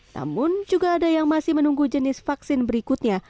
namun juga ada yang masih menunggu jenis vaksin berikutnya